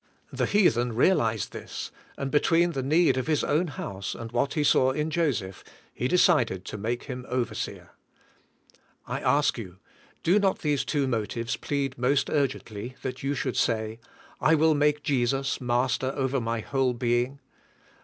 The heathen realized this, and between the need of his own house and what he saw in Joseph, he decided to make him overseer. I ask you, do not these two motives plead most urgently that you should say: "I will make Jesus master over my whole being?"